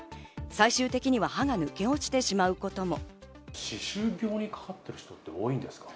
最終的には歯が抜け落ちてしまうことも。